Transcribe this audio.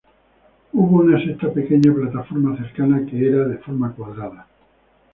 Hubo una sexta pequeña plataforma cercana, que era de forma cuadrada.